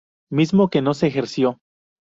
Mismo que no se ejerció.